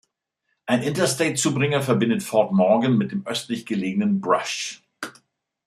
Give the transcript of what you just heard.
Ein Interstate-Zubringer verbindet Fort Morgan mit dem östlich gelegenen Brush.